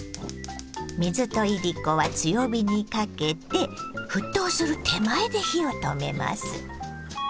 水といりこは強火にかけて沸騰する手前で火を止めます。